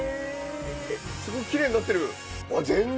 すごいきれいになってる。